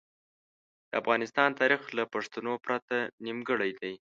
د افغانستان تاریخ له پښتنو پرته نیمګړی دی.